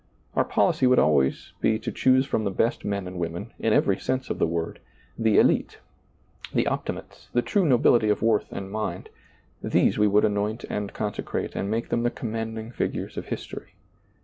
Our policy would be always to choose from the best men and women, in every sense of the word — the SHte, the optimates, the true nobility of worth and mind — these we would anoint and consecrate and make them the commanding figures of his tory.